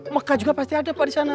mekah juga pasti ada pak di sana